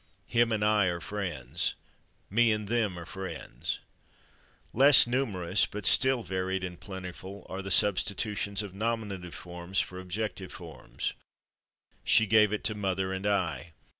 /Him/ and I are friends. /Me/ and /them/ are friends. [Pg221] Less numerous, but still varied and plentiful, are the substitutions of nominative forms for objective forms: She gave it to mother and /I